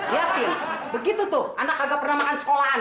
liatin begitu tuh anak kagak pernah makan sekolahan